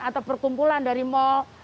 atau perkumpulan dari mal